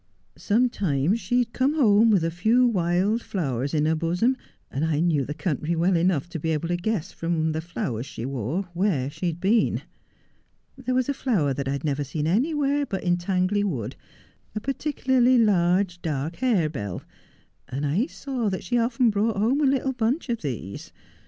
Sometimes she would come home with a few wild flowers in her bosom, and I knew the country well enough to be able to guess from the flowers she wore where she had been. There was a flower that I had never seen anywhere but in Tangley Wood, a particularly large dark harebell, and I saw that she often brought home a little bunch of these.